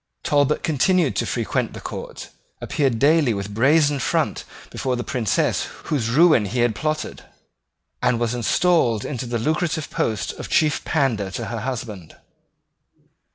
Talbot continued to frequent the court, appeared daily with brazen front before the princess whose ruin he had plotted, and was installed into the lucrative post of chief pandar to her husband.